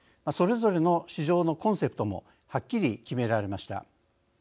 それぞれの市場のコンセプトもはっきり決められました。